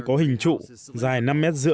có hình trụ dài năm m ba mươi